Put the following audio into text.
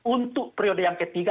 untuk periode yang ketiga